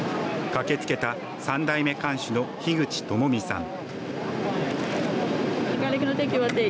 駆けつけた３代目館主の樋口智巳さん。